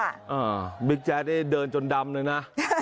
อ่าบิ๊กแจ๊ดได้เดินจนดำเลยนะ